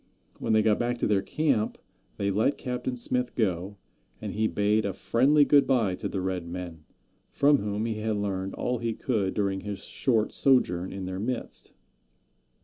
When they got back to their camp they let Captain Smith go, and he bade a friendly good by to the red men, from whom he had learned all he could during his short sojourn in their midst.